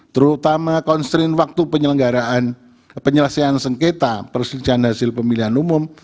terutama konstrin waktu penyelenggaraan penyelesaian sengketa persetujuan hasil pemilihan umum